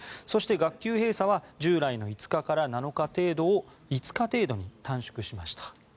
そして学級閉鎖は従来の５日程度から７日程度から５日程度に短縮しました。